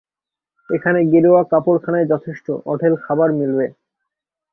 এখানে গেরুয়া-কাপড়খানাই যথেষ্ট, অঢেল খাবার মিলবে।